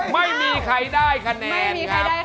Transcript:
ไม่มีใครได้คะแนนครับ